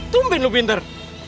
tumben lu pinter